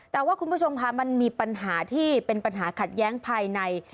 แต่ว่าคุณผู้ชมค่ะมันมีปัญหาที่เป็นปัญหาขัดแย้งภายใน